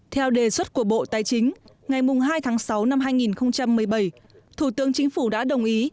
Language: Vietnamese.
theo đề xuất của bộ tài chính ngày hai tháng sáu năm hai nghìn một mươi bảy thủ tướng chính phủ đã đồng ý